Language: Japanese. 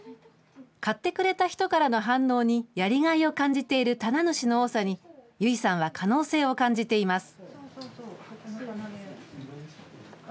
買ってくれた人からの反応にやりがいを感じている棚主の多さに、由井さんは可能性を感じています。